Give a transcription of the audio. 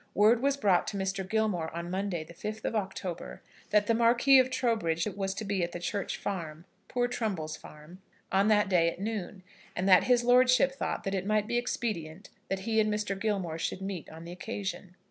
Word was brought to Mr. Gilmore on Monday, the 5th October, that the Marquis of Trowbridge was to be at the Church Farm, poor Trumbull's farm, on that day at noon, and that his lordship thought that it might be expedient that he and Mr. Gilmore should meet on the occasion.